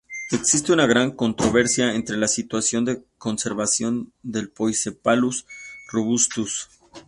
Existe una gran controversia entre la situación de conservación del "Poicephalus robustus".